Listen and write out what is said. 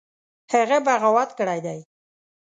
هغه بغاوت کړی دی.